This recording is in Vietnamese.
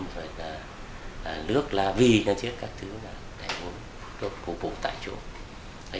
rồi là nước lá vi các thứ là đều được phục vụ tại chỗ